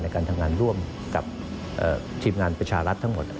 การทำงานร่วมกับทีมงานประชารัฐทั้งหมด